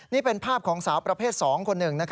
นี่เป็นภาพของสาวประเภท๒คนหนึ่ง